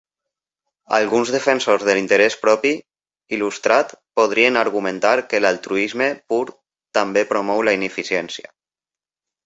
Alguns defensors de l'interès propi il·lustrat podrien argumentar que l'altruisme pur també promou la ineficiència.